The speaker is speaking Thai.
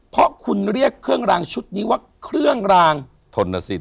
เพราะคุณเรียกเครื่องรางชุดนี้ว่าเครื่องรางทนสิทธ